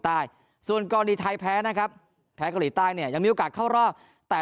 ใต้ส่วนกรณีไทยแพ้นะครับแพ้เกาหลีใต้เนี่ยยังมีโอกาสเข้ารอบแต่